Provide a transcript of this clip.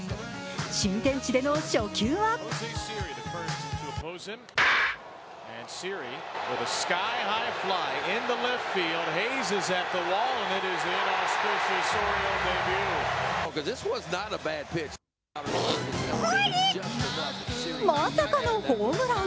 新天地での初球はまさかのホームラン。